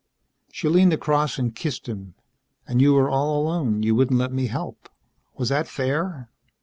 She leaned across and kissed him. "And you were all alone. You wouldn't let me help. Was that fair?"